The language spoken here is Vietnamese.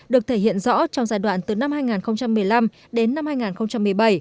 được thể hiện rõ trong giai đoạn từ năm hai nghìn một mươi năm đến năm hai nghìn một mươi bảy